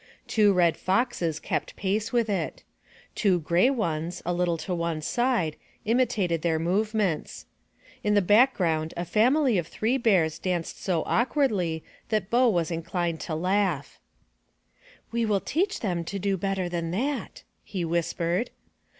Two red foxes kept pace with it. Two gray ones, a little to one side, imitated their movements. In the background a family of three bears danced so awkwardly that Bo was inclined to laugh. 127 MY BOOK HOUSE "We will teach them to do better than that," he whispered.